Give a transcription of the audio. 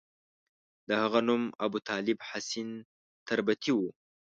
د هغه نوم ابوطالب حسین تربتي وو.